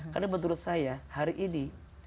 karena menurut saya hari ini